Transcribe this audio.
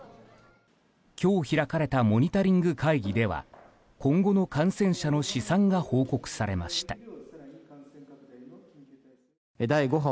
今日、開かれたモニタリング会議では今後の感染者の試算が報告されました。